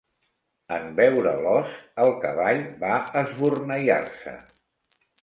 En veure l' os el cavall va esborneiar-se.